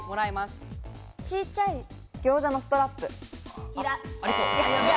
ちいちゃい餃子のストラップ。